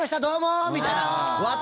どうも！